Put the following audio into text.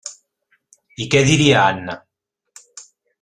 I què diria Anna?